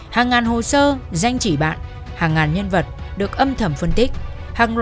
hàng ngàn hồ sơ danh chỉ bạn hàng ngàn nhân vật được âm thầm phân tích